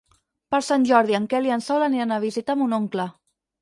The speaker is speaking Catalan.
Per Sant Jordi en Quel i en Sol aniran a visitar mon oncle.